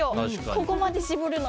ここまで絞るの。